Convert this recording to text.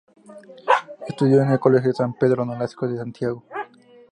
Estudió en el Colegio San Pedro Nolasco de Santiago.